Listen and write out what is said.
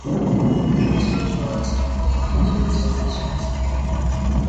ambacho watu hawatambui ni kwamba uchafuzi wa mazingira